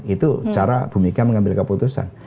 itu cara ibu mega mengambil keputusan